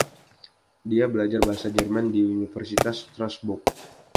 Dia belajar bahasa Jerman di Universitas Strasbourg.